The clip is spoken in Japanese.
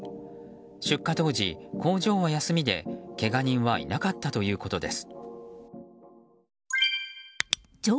出火当時、工場は休みでけが人はいなかったということです。